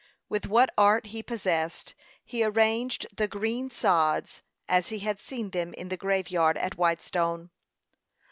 With what art he possessed he arranged the green sods, as he had seen them in the graveyard at Whitestone.